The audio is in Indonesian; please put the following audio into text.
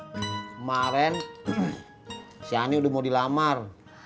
kemarin si ani udah mau dilamar